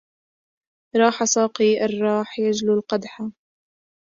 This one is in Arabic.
راح ساقي الراح يجلو القدحا